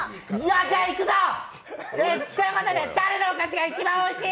じゃあ行くぞ！ということで誰のお菓子が１番美味しい！？